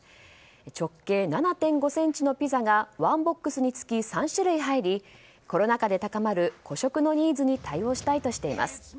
直径７．５ｃｍのピザがワンボックスにつき３種類入りコロナ禍で高まる個食のニーズに対応したいとしています。